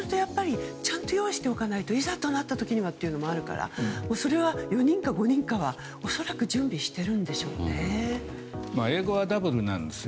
そうするとやっぱりちゃんと用意しておかないといざとなった時にはというのもあるからそれは４人か５人かは恐らく準備しているんでしょうね。